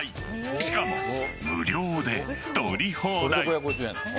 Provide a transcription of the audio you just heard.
しかも無料で取り放題。